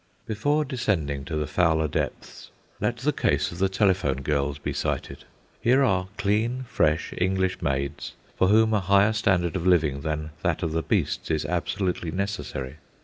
Before descending to the fouler depths, let the case of the telephone girls be cited. Here are clean, fresh English maids, for whom a higher standard of living than that of the beasts is absolutely necessary.